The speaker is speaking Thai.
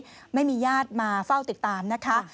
ไม่มีญาติมาเฝ้าติดตามนะคะ